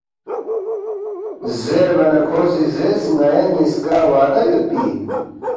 زیربا نہ کھو سی زیرس، ”ن٘یا نِ٘یسکا وعدہ یودپی اِن